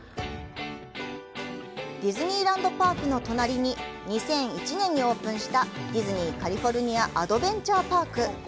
ディズニーランド・パークの隣に２００１年にオープンしたディズニー・カリフォルニア・アドベンチャー・パーク。